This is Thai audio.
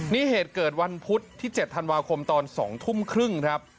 นี่เหตุเกิดวันพุธที่๗ธันวาคมตอน๑๘๓๐น